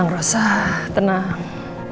tenang rossa tenang